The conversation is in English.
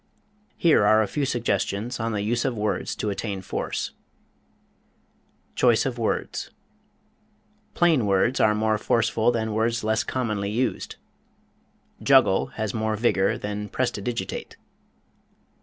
Here are a few suggestions on the use of words to attain force: Choice of Words PLAIN words are more forceful than words less commonly used juggle has more vigor than prestidigitate.